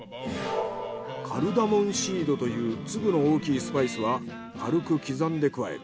カルダモンシードという粒の大きいスパイスは軽く刻んで加える。